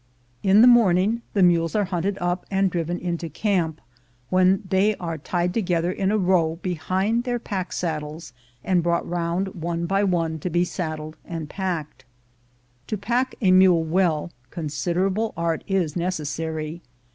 In the morning the mules are hunted up and driven into camp, when they are tied together in a row behind their pack saddles, and brought round one by one to be saddled and packed. To pack a mule well, considerable art is necessary.